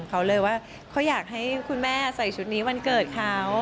เขาเลยว่าเขาอยากให้คุณแม่ใส่ชุดนี้วันเกิดเขา